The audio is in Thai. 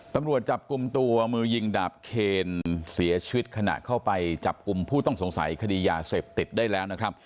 ตำรวจจับกลุ่มตัวมือยิงดาบเคนเสียชีวิตขณะเข้าไปจับกลุ่มผู้ต้องสงสัยคดียาเสพติดได้แล้วนะครับ